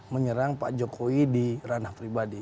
menyerang pak jokowi di ranah pribadi